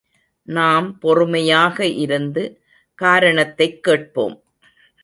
நாம் பொறுமையாக இருந்து, காரணத்தைக் கேட்போம்.